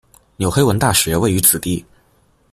纽黑文大学位于此地。